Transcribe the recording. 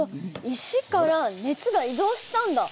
石から熱が移動したんだ。